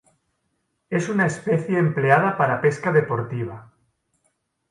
Es una especie empleada para pesca deportiva.